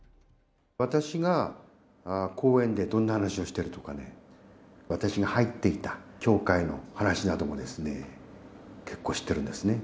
私が講演でどんな話をしてるとかね、私が入っていた協会の話などもですね、結構知ってるんですね。